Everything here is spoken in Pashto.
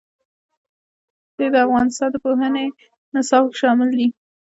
ښتې د افغانستان د پوهنې نصاب کې شامل دي.